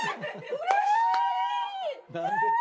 うれしい！